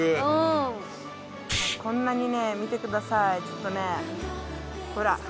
こんなにね見てくださいちょっとねほら。